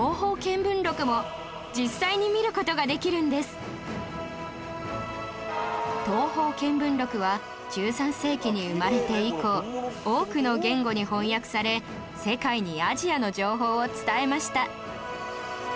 貴重な『東方見聞録』は１３世紀に生まれて以降多くの言語に翻訳され世界にアジアの情報を伝えました